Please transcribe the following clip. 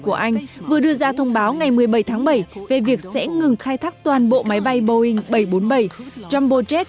của anh vừa đưa ra thông báo ngày một mươi bảy tháng bảy về việc sẽ ngừng khai thác toàn bộ máy bay boeing bảy trăm bốn mươi bảy jumbo jet